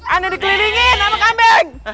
aduh dikelilingin sama kambing